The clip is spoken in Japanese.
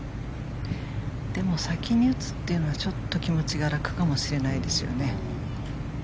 でも、先に打つというのはちょっと気持ちが楽かもしれないですね。